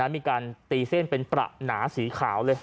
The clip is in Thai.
มีการตีเส้นเป็นประหนาสีขาวเลย